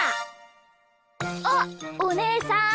あっおねえさん。